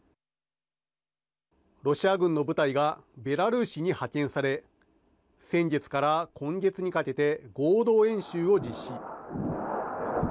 ロシア軍の部隊がベラルーシに派遣され先月から今月にかけて合同演習を実施。